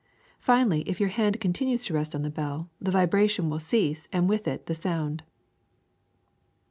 Finally, if your hand continues to rest on the bell, the vibration will cease and with it the sound.